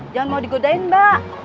jangan mau digodain mbak